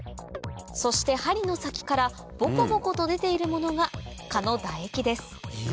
そして針の先からボコボコと出ているものが蚊の唾液です